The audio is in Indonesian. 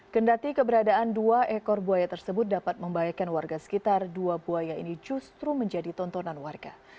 kendati keberadaan dua ekor buaya tersebut dapat membahayakan warga sekitar dua buaya ini justru menjadi tontonan warga